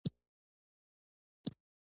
په بیعت اخیستلو کې مهم نقش درلود.